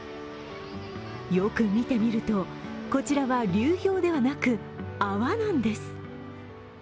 よく見てみると、こちらは流氷ではなく泡なんです。